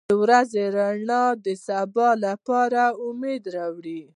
• د ورځې رڼا د سبا لپاره امید راوړي.